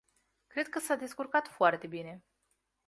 Cred că s-a descurcat foarte bine.